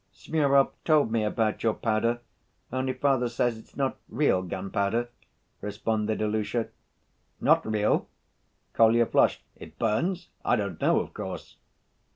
"Smurov told me about your powder, only father says it's not real gunpowder," responded Ilusha. "Not real?" Kolya flushed. "It burns. I don't know, of course."